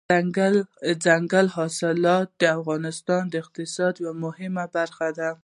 دځنګل حاصلات د افغانستان د اقتصاد یوه مهمه برخه ده.